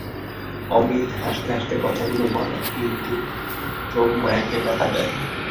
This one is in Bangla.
অমিত হাসতে হাসতে কথাগুলো বলে, কিন্তু যোগমায়াকে ব্যথা দেয়।